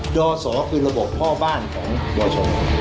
ยศคือระบบพ่อบ้านของบช